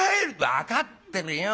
「分かってるよ。